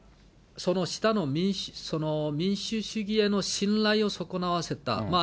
その下の民主主義への信頼を損なわせた。